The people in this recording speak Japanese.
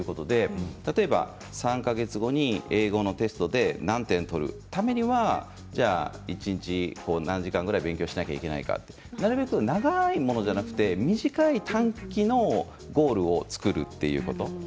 例えば、３か月後に英語のテストで何点を取るためには一日何時間くらい勉強しなければいけないかなるべく長いものじゃなくて短い、短期のゴールを作るということ。